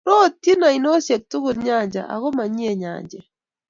Rootyin ainoosyek tugul nyanja, ago manyiei nyanjet.